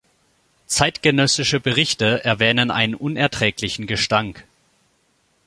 Zeitgenössische Berichte erwähnen einen unerträglichen Gestank.